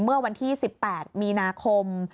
เมื่อวันที่๑๘มีนาคม